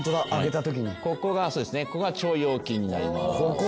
ここが腸腰筋になります。